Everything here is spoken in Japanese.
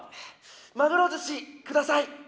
マグロ寿司下さい。